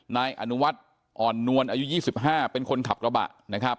นายอนุวัติอ่อนนวลอายุยี่สิบห้าเป็นคนขับกระบะนะครับ